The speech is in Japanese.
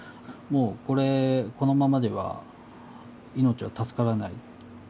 もうこれこのままでは命は助からない。